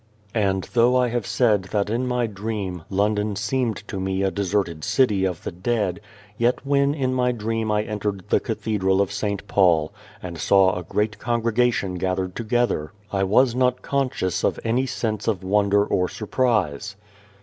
And though I have said that in my dream, London seemed to me a deserted city of the dead, yet when in my dream I entered the cathedral of St. Paul, and saw a great congre gation gathered together, I was not conscious of any sense of wonder or surprise.